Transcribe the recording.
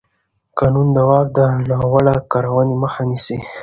قانون د واک د ناوړه کارونې مخه نیسي.